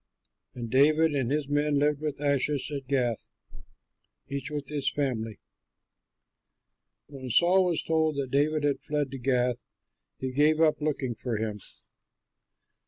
And David and his men lived with Achish at Gath, each with his family. When Saul was told that David had fled to Gath, he gave up looking for him.